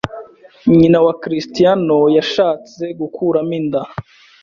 Nyina wa Cristiano yashatse gukuramo inda